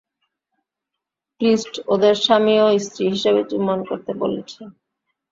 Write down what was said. Priest ওদের স্বামী ও স্ত্রী হিসাবে চুম্বন করতে বলেছেন।